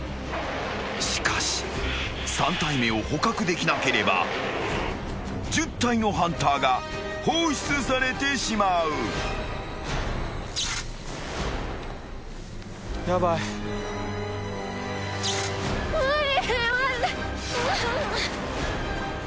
［しかし３体目を捕獲できなければ１０体のハンターが放出されてしまう］無理！